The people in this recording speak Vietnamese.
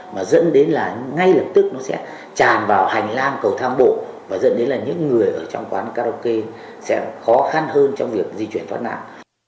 mà dẫn đến là ngay lập tức nó sẽ tràn vào hành lang cầu thang bộ và dẫn đến là những người ở trong quán karaoke sẽ khó khăn hơn trong việc di chuyển thoát nạn